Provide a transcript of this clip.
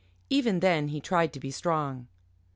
Even then he tried to be strong.